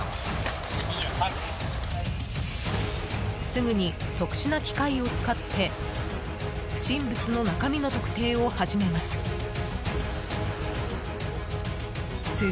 すぐに、特殊な機械を使って不審物の中身の特定を始めます。